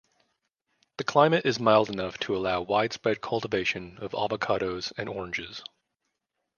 The climate is mild enough to allow widespread cultivation of avocados and oranges.